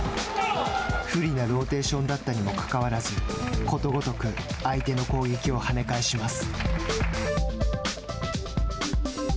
不利なローテーションだったにもかかわらずことごとく相手の攻撃をはね返します。